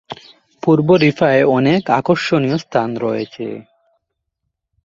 পূর্ব রিফায় অনেক আকর্ষণীয় স্থান রয়েছে।